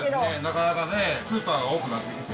なかなかねスーパーが多くなってきて。